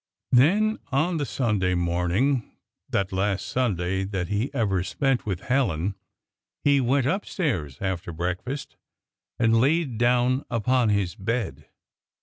Then on the Sunday morning that last Sunday that he ever spent with Helen he went upstairs after breakfast, and laid down upon his bed.